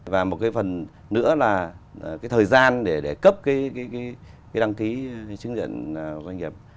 và một cái phần nữa là cái thời gian để cấp cái đăng ký chứng nhận doanh nghiệp